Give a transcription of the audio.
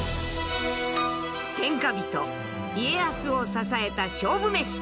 天下人家康を支えた勝負メシ！